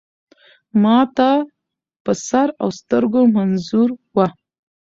ما ته په سر اوسترګو منظور وه .